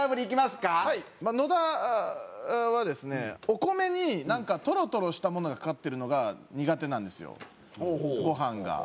お米にトロトロしたものがかかってるのが苦手なんですよご飯が。